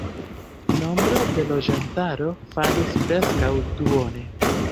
Nombro de loĝantaro falis preskaŭ duone.